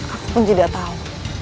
aku pun tidak tahu